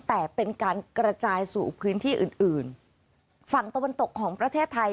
แต่เป็นการกระจายสู่พื้นที่อื่นอื่นฝั่งตะวันตกของประเทศไทย